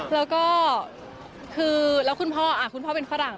แล้วก็คือแล้วคุณพ่อคุณพ่อเป็นฝรั่ง